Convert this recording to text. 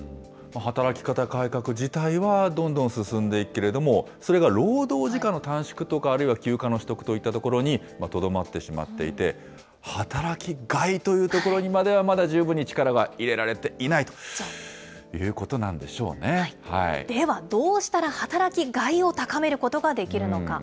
働き方改革自体はどんどん進んでいくけれども、それが労働時間の短縮とか、あるいは休暇の取得といったところにとどまってしまっていて、働きがいというところにまではまだ十分に力が入れられていないとではどうしたら働きがいを高めることができるのか。